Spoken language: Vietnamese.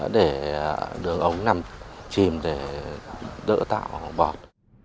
để đường ống nằm chìm để đỡ tạo bọt